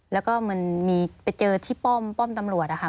แล้วก็มันมีไปเจอที่ป้อมตำรวจนะคะ